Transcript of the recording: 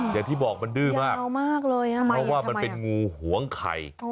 อย่างที่บอกมันดื้อมากเพราะว่ามันเป็นงูหวงไข่